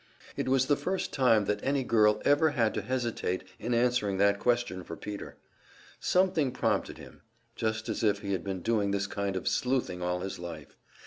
It was the first time that any girl had ever had to hesitate in answering that question for Peter. Something prompted him just as if he had been doing this kind of "sleuthing" all his life.